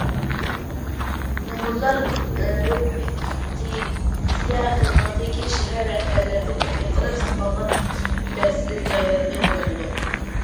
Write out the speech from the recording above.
نومۇرلار رېپېتىتسىيە قىلىنغاندىن كېيىن، شەھەر رەھبەرلىرىنى تەكلىپ قىلىپ، ساقلانغان يېتەرسىزلىك جايلىرىنى تولۇقلىدۇق.